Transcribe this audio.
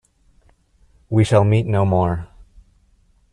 We shall meet no more.